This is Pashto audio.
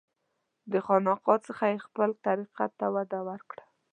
دې خانقاه څخه یې خپل طریقت ته وده ورکړه.